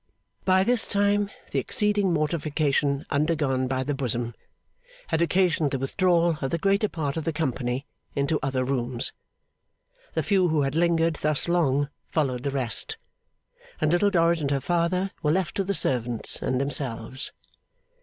By this time, the exceeding mortification undergone by the Bosom had occasioned the withdrawal of the greater part of the company into other rooms. The few who had lingered thus long followed the rest, and Little Dorrit and her father were left to the servants and themselves.